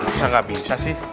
susah gak bisa sih